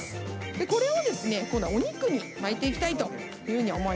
これをお肉に巻いて行きたいというふうに思います。